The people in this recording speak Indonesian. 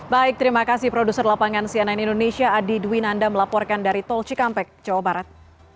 baik terima kasih produser lapangan cnn indonesia adi dwinanda melaporkan dari tol cikampek jawa barat